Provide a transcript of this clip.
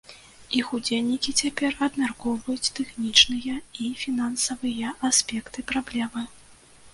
Іх удзельнікі цяпер абмяркоўваюць тэхнічныя і фінансавыя аспекты праблемы.